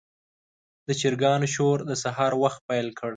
د چرګانو شور د سهار وخت پیل کړ.